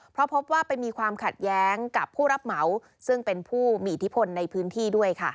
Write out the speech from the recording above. เพราะพบว่าไปมีความขัดแย้งกับผู้รับเหมาซึ่งเป็นผู้มีอิทธิพลในพื้นที่ด้วยค่ะ